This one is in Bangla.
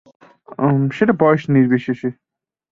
সেটা বয়স নির্বিশেষে ধর্ষণ।